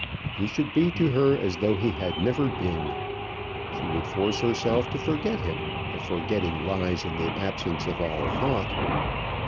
He should be to her as though he had never been. She would force herself to forget him, if forgetting lies in the absence of all thought.